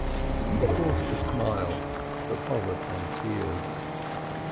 He forced a smile that hovered on tears.